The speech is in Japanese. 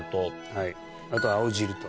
はいあと青汁と。